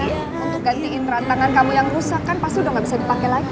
untuk gantiin rantangan kamu yang rusak kan pasti udah nggak bisa dipakai lagi